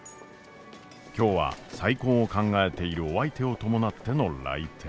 今日は再婚を考えているお相手を伴っての来店。